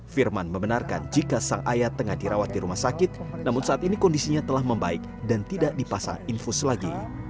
firman membenarkan jika sang ayah tengah dirawat di rumah sakit namun saat ini kondisinya telah membaik dan tidak dipasang infus lagi